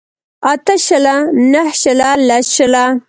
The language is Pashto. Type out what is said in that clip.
اته شله نهه شله لس شله